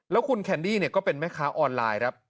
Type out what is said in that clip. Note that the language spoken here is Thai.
แล้วคุณแคนดี้ก็เป็นแม่ค้าออนไลน์ครับ